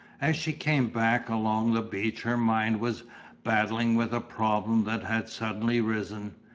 As she came back along the beach her mind was battling with a problem that had suddenly risen.